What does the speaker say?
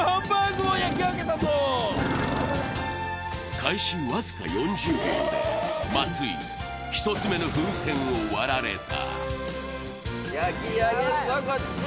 開始僅か４０秒で松井、１つ目の風船を割られた。